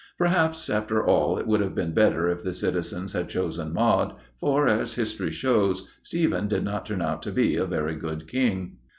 Perhaps, after all, it would have been better if the citizens had chosen Maud, for, as history shows, Stephen did not turn out to be a very good King.